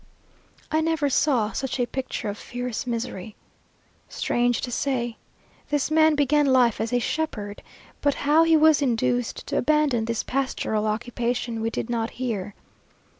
I never saw such a picture of fierce misery. Strange to say, this man began life as a shepherd; but how he was induced to abandon this pastoral occupation, we did not hear.